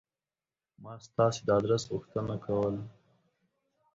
ما ستاسې د آدرس غوښتنه کوله.